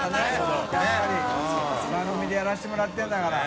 笋辰僂番組でやらせてもらってるんだから。